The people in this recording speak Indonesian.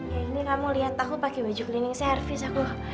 ya ini kamu lihat aku pakai baju cleaning service